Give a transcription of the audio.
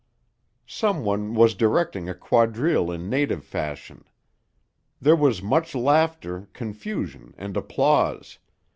Some one was directing a quadrille in native fashion. There was much laughter, confusion, and applause.